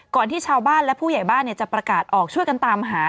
ที่ชาวบ้านและผู้ใหญ่บ้านจะประกาศออกช่วยกันตามหา